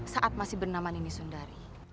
saat masih bernama nini sundari